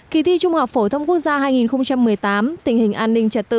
kỳ thi trung học phổ thông quốc gia hai nghìn một mươi tám tình hình an ninh trật tự